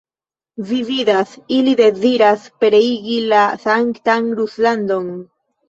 Vi vidas, ili deziras pereigi la sanktan Ruslandon!